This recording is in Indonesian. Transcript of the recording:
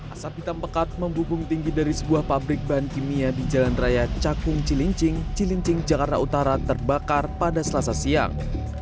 asap hitam pekat membubung tinggi dari sebuah pabrik bahan kimia di jalan raya cakung cilincing cilincing jakarta utara terbakar pada selasa siang